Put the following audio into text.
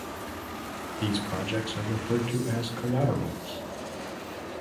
These projects are referred to as collaterals.